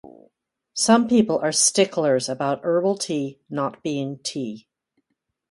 Some people are sticklers about herbal tea not being tea.